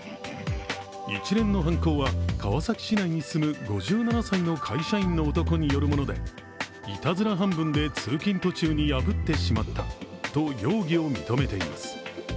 一連の犯行は、川崎市内に住む５７歳の会社員の男によるものでいたずら半分で通勤途中に破ってしまったと容疑を認めています。